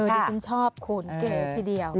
นี่ฉันชอบขนเก๋ทีเดียว